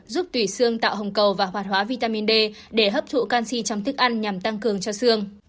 giúp tủy xương tạo hồng cầu và hoạt hóa vitamin d để hấp thụ canxi trong thức ăn nhằm tăng cường cho xương